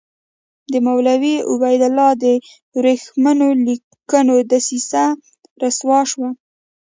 د مولوي عبیدالله د ورېښمینو لیکونو دسیسه رسوا شوه.